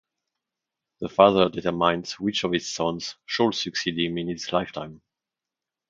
The father determines which of his sons shall succeed him in his lifetime.